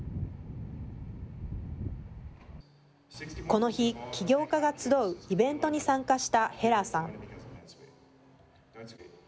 この日、起業家が集うイベントに参加したヘラーさん。